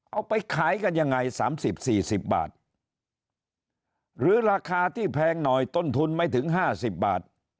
เอาไปขายกันยังไงสามสิบสี่สิบบาทหรือราคาที่แพงหน่อยต้นทุนไม่ถึงห้าสิบบาท